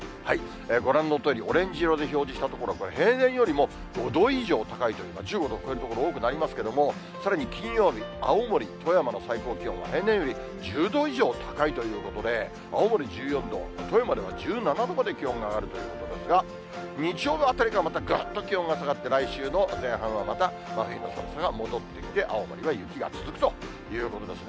ご覧のとおりオレンジ色で表示した所、これは平年よりも５度以上高いという、１５度を超える所が多くなりますけれども、さらに金曜日、青森、富山の最高気温は平年より１０度以上高いということで、青森１４度、富山では１７度まで気温が上がるということですが、日曜日あたりからまたぐっと気温が下がって来週の前半はまた真冬の寒さが戻ってきて、青森は雪が続くということですね。